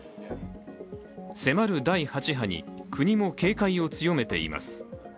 迫る第８波に国も警戒を強めています。